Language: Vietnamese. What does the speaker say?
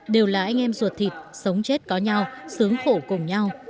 đều là anh em ruột thịt sống chết có nhau sướng khổ cùng nhau